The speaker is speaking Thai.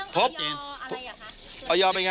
แต่เรื่องไอยออะไรอะคะ